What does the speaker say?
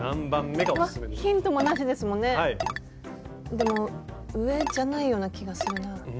でも上じゃないような気がするなぁ。